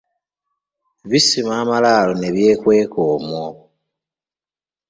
Bisima amalaalo ne byekweka omwo.